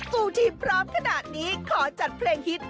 กูทีมพร้อมขนาดนี้ขอจัดแฮท